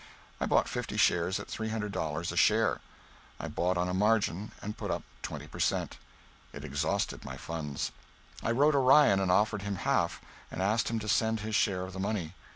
I bought fifty shares at three hundred dollars a share. I bought on a margin, and put up twenty per cent. It exhausted my funds. I wrote Orion and offered him half, and asked him to send his share of the money.